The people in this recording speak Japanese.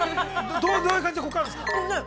どういう感じでコクあるんですか？